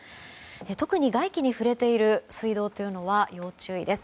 特に外気に触れている水道は要注意です。